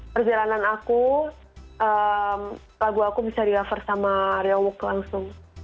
perjalanan aku lagu aku bisa di cover sama rio wood langsung